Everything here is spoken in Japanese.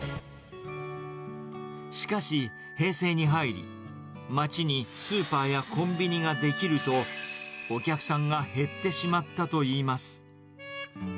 しかし、平成に入り、街にスーパーやコンビニが出来ると、お客さんが減ってしまったといいます。